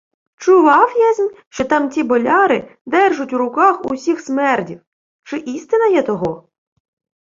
— Чував єсмь, що тамті боляри держуть у руках усіх смердів. Чи істина є того?